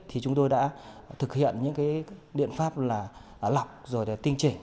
thì chúng tôi đã thực hiện những cái điện pháp là lọc rồi tinh chỉnh